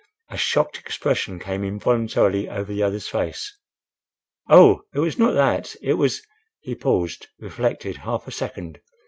A shocked expression came involuntarily over the other's face. "Oh! it was not that!—It was—" He paused, reflected half a second.